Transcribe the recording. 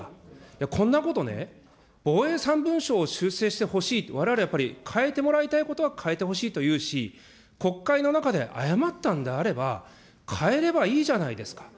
こんなことね、防衛３文書を修正してほしいと、われわれやっぱり、変えてもらいたいことは変えてほしいと言うし、国会の中であやまったんであれば、変えればいいじゃないですか。